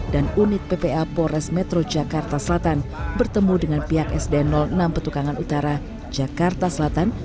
dan unit ppa pores metro jakarta selatan bertemu dengan pihak sd enam petukangan utara jakarta selatan